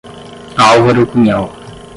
Álvaro Cunhal